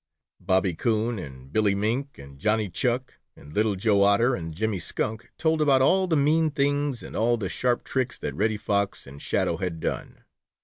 Bobby Coon and Billy Mink and Johnny Chuck and Little Joe Otter and Jimmy Skunk told about all the mean things and all the sharp tricks that Reddy Fox and Shadow had done.